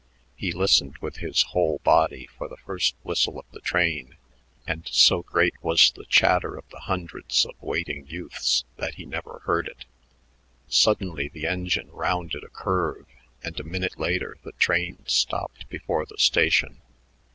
He listened with his whole body for the first whistle of the train, and so great was the chatter of the hundreds of waiting youths that he never heard it. Suddenly the engine rounded a curve, and a minute later the train stopped before the station.